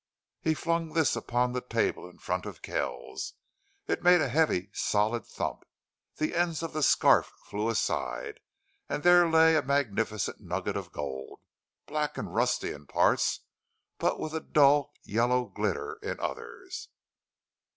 He flung this upon the table in front of Kells. It made a heavy, solid thump. The ends of the scarf flew aside, and there lay a magnificent nugget of gold, black and rusty in parts, but with a dull, yellow glitter in others.